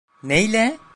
Neyle?